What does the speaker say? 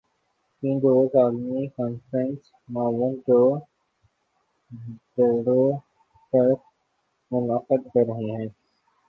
تین روزہ عالمی کانفرنس موئن جو دڑو پر منعقد کررہے ہیں